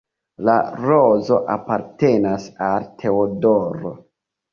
La rozo apartenas al Teodoro.